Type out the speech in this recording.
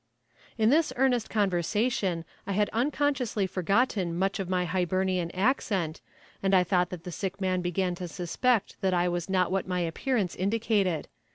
In this earnest conversation I had unconsciously forgotten much of my Hibernian accent, and I thought that the sick man began to suspect that I was not what my appearance indicated.